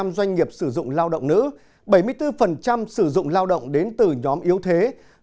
một mươi doanh nghiệp sử dụng lao động nữ bảy mươi bốn sử dụng lao động đến từ nhóm yếu thế